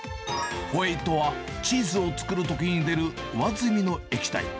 ホエイとは、チーズを作るときに出る上澄みの液体。